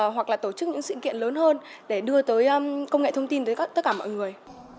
hoặc là tổ chức những sự kiện lớn hơn để đưa tới công nghệ thông tin tới tất cả mọi người